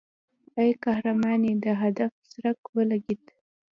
ای قهرمانې د هدف څرک ولګېد.